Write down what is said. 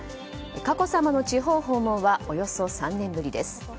佳子さまの地方訪問はおよそ３年ぶりです。